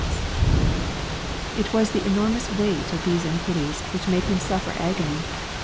It was the enormous weight of these ' iniquities which made Him suflFer agony.